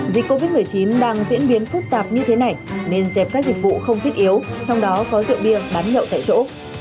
dịch covid một mươi chín đang diễn biến phức tạp như thế này nên dẹp các dịch vụ không thiết yếu trong đó có rượu bia bán nhậu tại chỗ